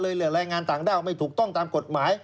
เหลือแรงงานต่างด้าวไม่ถูกต้องตามกฎหมาย